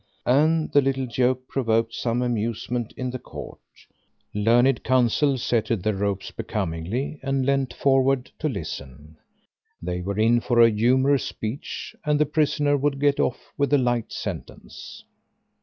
And the little joke provoked some amusement in the court; learned counsel settled their robes becomingly and leant forward to listen. They were in for a humorous speech, and the prisoner would get off with a light sentence.